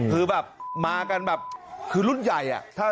คือแบบมากันแบบคือรุ่นใหญ่อะ